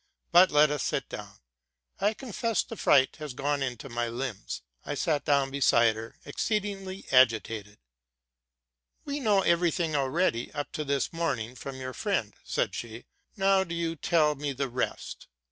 But let us sit down. I confess the fright has gone into my limbs.' I sat down beside her, ex ceedingly agitated. '* We know every thing already, up to this morning » from your friend,"' said she, '* now do you tell me the rest.